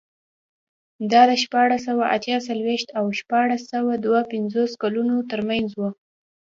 دا د شپاړس سوه اته څلوېښت او شپاړس سوه دوه پنځوس کلونو ترمنځ و.